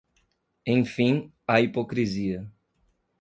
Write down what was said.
Enfim, a hipocrisia